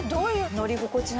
乗り心地は？